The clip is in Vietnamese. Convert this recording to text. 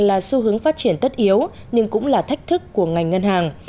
là xu hướng phát triển tất yếu nhưng cũng là thách thức của ngành ngân hàng